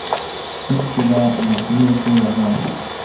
هېڅکله ناهيلي کېږئ مه.